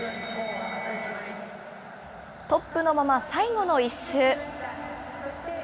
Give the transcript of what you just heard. トップのまま、最後の１周。